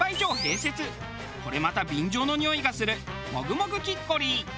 これまた便乗のにおいがするＭＯＧＵＭＯＧＵキッコリー。